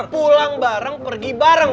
pulang bareng pergi bareng